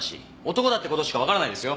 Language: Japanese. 男だって事しかわからないですよ。